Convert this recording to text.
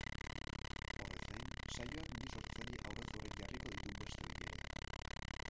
Horrez gain, saioak bi sortzaile aurrez aurre jarriko ditu beste behin ere.